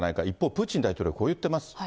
一方、プーチン大統領はこう言ってます。